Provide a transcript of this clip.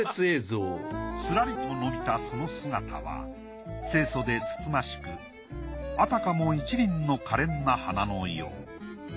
すらりと伸びたその姿は清楚で慎ましくあたかも一輪の可憐な花のよう。